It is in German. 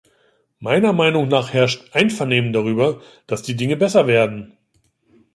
Meiner Meinung nach herrscht Einvernehmen darüber, dass die Dinge besser werden.